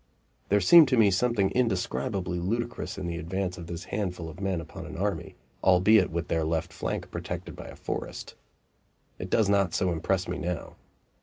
There seemed to me something indescribably ludicrous in the advance of this handful of men upon an army, albeit with their left flank protected by a forest. It does not so impress me now.